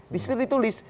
di situ ditulis